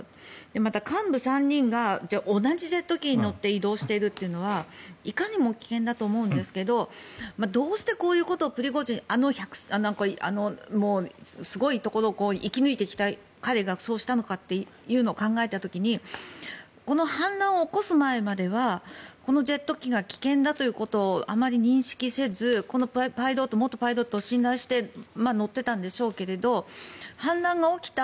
また幹部３人が同じジェット機に乗って移動しているというのはいかにも危険だと思うんですがどうしてこういうことをプリゴジンあのすごいところを生き抜いてきた彼がそうしたのかというのを考えた時にこの反乱を起こす前まではこのジェット機が危険だということをあまり認識せずこの元パイロットを信頼して乗っていたんでしょうけど反乱が起きた